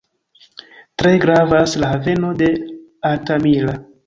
Tre gravas la haveno de Altamira.